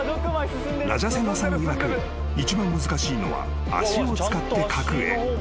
［ラジャセナさんいわく一番難しいのは足を使って描く絵］